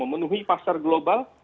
memenuhi pasar global